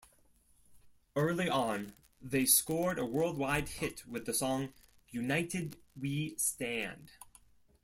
Early on, they scored a worldwide hit with the song "United We Stand".